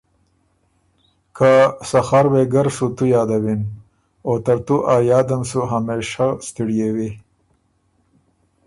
که سخر وېګه ر سُو تُو یادَوِن، او ترتُو ا یادم همېشۀ ستِړیېوی